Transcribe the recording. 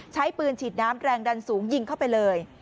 ใช้ปืนฉีดน้ำแรงดันสูงยิงเข้าไปเลย